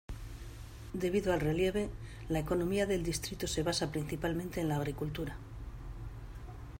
Debido al relieve, la economía del distrito se basa principalmente en la agricultura.